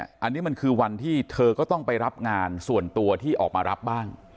อันนี้มันคือวันที่เธอก็ต้องไปรับงานส่วนตัวที่ออกมารับบ้าง